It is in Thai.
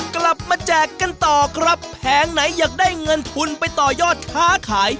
แจกกันต่อครับแผงไหนอยากได้เงินทุนไปต่อยอดค้าขาย